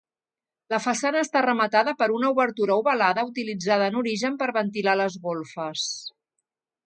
La façana està rematada per una obertura ovalada utilitzada en origen per ventilar les golfes.